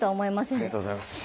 ありがとうございます。